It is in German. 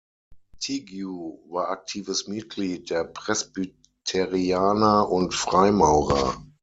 Teague war aktives Mitglied der Presbyterianer und Freimaurer.